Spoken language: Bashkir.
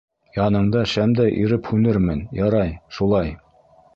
Яныңда шәмдәй иреп һүнермен, ярай, шулай.